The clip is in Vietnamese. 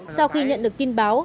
sau khi nhận được tin báo